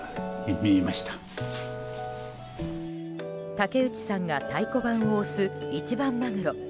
竹内さんが太鼓判を押す一番マグロ。